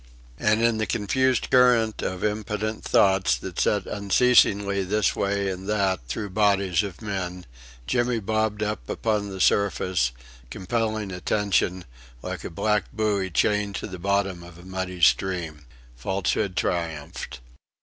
And in the confused current of impotent thoughts that set unceasingly this way and that through bodies of men, Jimmy bobbed up upon the surface, compelling attention, like a black buoy chained to the bottom of a muddy stream. Falsehood triumphed.